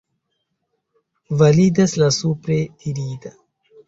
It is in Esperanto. Validas la supre dirita.